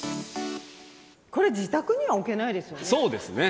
これ、自宅には置けないです